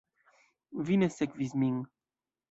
Vi ne sekvis min.